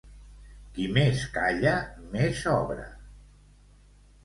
Qui més calla, més obra.